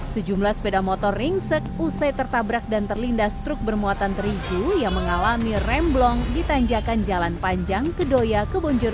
sejumlah sepeda motor ringsek usai tertabrak dan terlindas truk bermuatan terigu yang mengalami remblong di tanjakan jalan panjang kedoya kebonjur